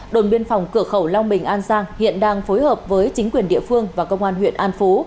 đồn biên phòng cửa khẩu long bình an giang hiện đang phối hợp với chính quyền địa phương và công an huyện an phú